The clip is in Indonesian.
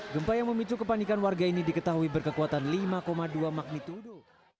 gempa yang memicu kepanikan warga ini diketahui berkekuatan lima dua magnitudo